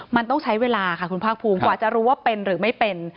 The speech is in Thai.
มันต้องใช้เวลาค่ะคุณภาคภูมิกว่าจะรู้ว่าเป็นหรือไม่เป็น